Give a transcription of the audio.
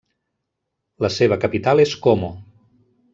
La seva capital és Como.